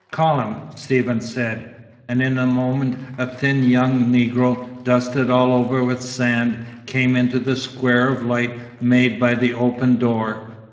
"Call him," Stephen said. And in a moment a thin young Negro, dusted all over with sand, came into the square of light made by the open door.